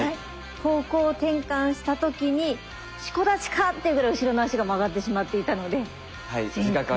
方向転換した時に四股立ちかっていうぐらい後ろの足が曲がってしまっていたので前屈。